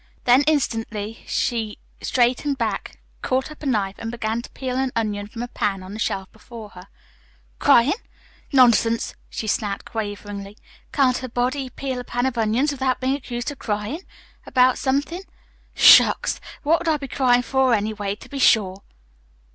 Then instantly she straightened back, caught up a knife, and began to peel an onion from a pan on the shelf before her. "Cryin'? Nonsense!" she snapped quaveringly. "Can't a body peel a pan of onions without being accused of cryin' about somethin'? Shucks! What should I be cryin' for, anyway, to be sure?